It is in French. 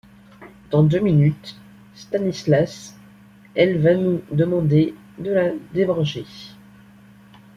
Dans deux minutes, Stanislas, elle va nous demander de la débrancher.